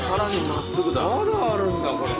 まだあるんだこれ。